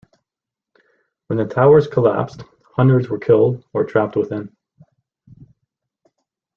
When the towers collapsed, hundreds were killed or trapped within.